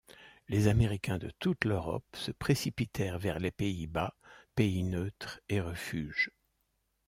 Les Américains de toute l’Europe se précipitèrent vers les Pays-Bas, pays neutre et refuge.